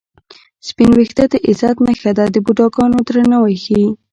سپین وېښته د عزت نښه ده د بوډاګانو درناوی ښيي